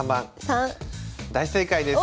大正解です。